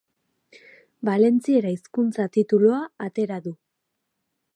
Valentziera hizkuntza titulua atera du.